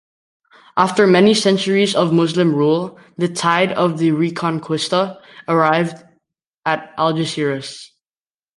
After many centuries of Muslim rule, the tide of the reconquista arrived at Algeciras.